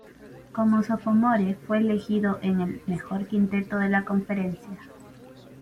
Como sophomore, fue elegido en el "mejor quinteto de la conferencia".